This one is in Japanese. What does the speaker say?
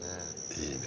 いいね。